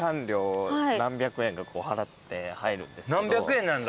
何百円なんだ。